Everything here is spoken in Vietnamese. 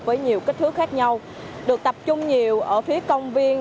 với chất thứ khác nhau được tập trung nhiều ở phía công viên